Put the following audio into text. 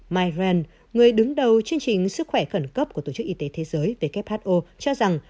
micron người đứng đầu chương trình sức khỏe khẩn cấp của tổ chức y tế thế giới who cho rằng